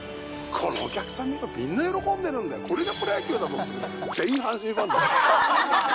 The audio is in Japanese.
このお客さん見ろ、みんな喜んでるんだよ、これがプロ野球だぞって、全員阪神ファンだった。